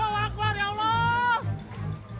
allah akbar ya allah